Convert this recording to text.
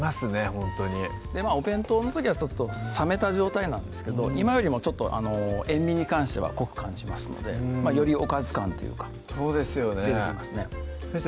ほんとにお弁当の時はちょっと冷めた状態なんですけど今よりもちょっと塩味に関しては濃く感じますのでよりおかず感というかそうですよね出てきますね先生